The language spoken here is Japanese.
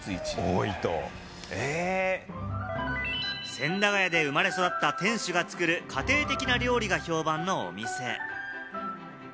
千駄ヶ谷で生まれ育った店主が作る家庭的な料理が評判のお店。